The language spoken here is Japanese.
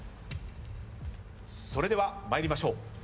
それでは参りましょう。